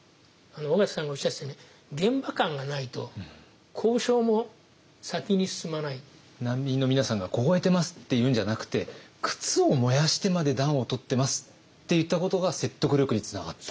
緒方さんがおっしゃってたように「難民の皆さんが凍えてます」って言うんじゃなくて「靴を燃やしてまで暖をとってます」って言ったことが説得力につながった。